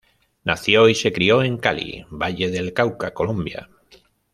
Nació y se crió en Cali, Valle del Cauca, Colombia.